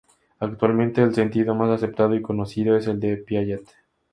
Actualmente el sentido más aceptado y conocido es el de Piaget.